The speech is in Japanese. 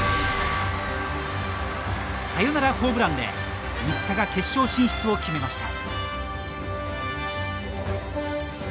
サヨナラホームランで新田が決勝進出を決めました。